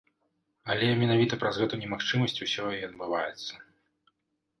Але менавіта праз гэту немагчымасць усё і адбываецца.